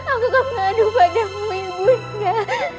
aku akan mengadu padamu ibu nda